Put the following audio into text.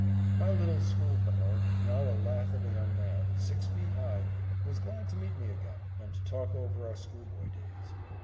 My little schoolfellow, now a lath of a young man, six feet high, was glad to meet me again, and to talk over our schoolboy days.